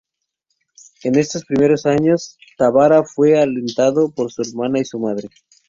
En estos primeros años, Tábara fue alentado por su hermana y su madre.